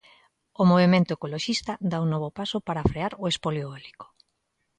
O movemento ecoloxista dá un novo paso para frear o "espolio eólico".